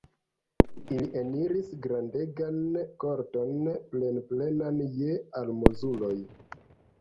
Ili eniris grandegan korton, plenplenan je almozuloj.